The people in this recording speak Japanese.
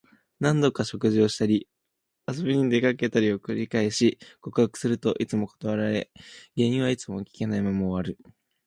何度か食事をしたり、遊びに出かけたりを繰り返し、告白するといつも断られ、原因はいつも聞けないまま終わる。